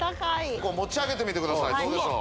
こう持ち上げてみてくださいどうでしょう？